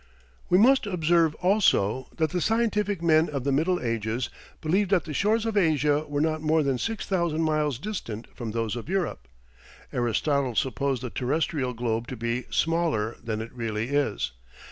We must observe also that the scientific men of the Middle Ages believed that the shores of Asia were not more than 6000 miles distant from those of Europe. Aristotle supposed the terrestrial globe to be smaller than it really is.